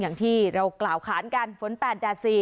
อย่างที่เรากล่าวขานกันฝน๘แดด๔